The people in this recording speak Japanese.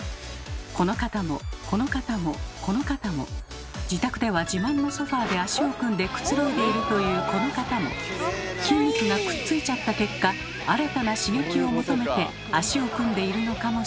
この方もこの方もこの方も自宅では自慢のソファーで足を組んでくつろいでいるというこの方も筋肉がくっついちゃった結果新たな刺激を求めて足を組んでいるのかもしれません。